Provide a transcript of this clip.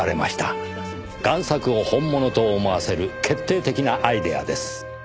贋作を本物と思わせる決定的なアイデアです。